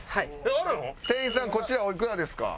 店員さんこちらおいくらですか？